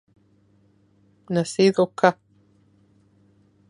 Nacido ca.